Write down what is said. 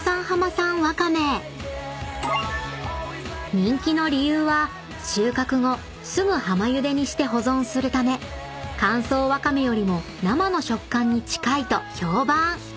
［人気の理由は収穫後すぐ浜ゆでにして保存するため乾燥わかめよりも生の食感に近いと評判］